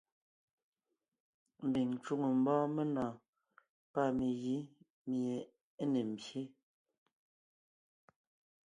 Ḿbiŋ ńcwoŋo ḿbɔ́ɔn menɔ̀ɔn pâ megǐ míe é ne ḿbyé.